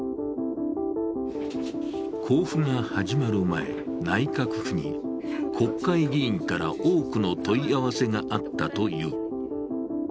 交付が始まる前、内閣府に国会議員から多くの問い合わせがあったという。